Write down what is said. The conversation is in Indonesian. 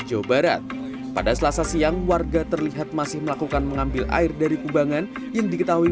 jawa barat pada selasa siang warga terlihat masih melakukan mengambil air dari kubangan yang diketahui